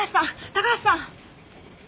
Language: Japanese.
高橋さん！